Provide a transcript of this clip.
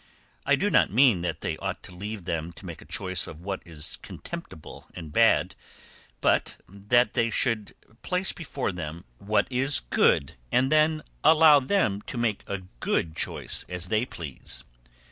I do not mean that they ought to leave them to make a choice of what is contemptible and bad, but that they should place before them what is good and then allow them to make a good choice as they please.